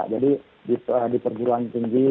jadi di perjuruan tinggi